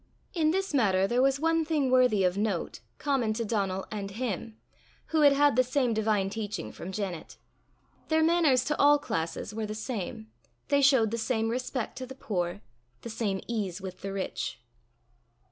In this matter there was one thing worthy of note common to Donal and him, who had had the same divine teaching from Janet: their manners to all classes were the same, they showed the same respect to the poor, the same ease with the rich.